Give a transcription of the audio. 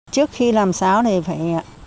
trước khi làm sáo này